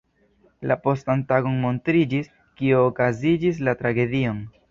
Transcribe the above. La postan tagon montriĝis, kio okazigis la tragedion.